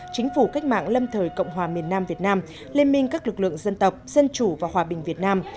chính phủ cách mạng lâm thời cộng hòa miền nam việt nam liên minh các lực lượng dân tộc dân chủ và hòa bình việt nam